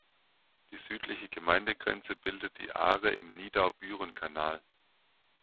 Die südliche Gemeindegrenze bildet die Aare im Nidau-Büren-Kanal.